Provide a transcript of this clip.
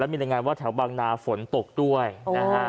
มีรายงานว่าแถวบางนาฝนตกด้วยนะฮะ